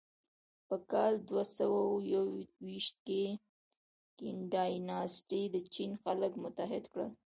په کال دوهسوهیوویشت کې کین ډایناسټي د چین خلک متحد کړل.